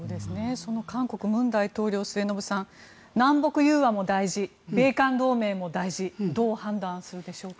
その韓国の文大統領は南北融和も大事米韓同盟も大事どう判断するでしょうか。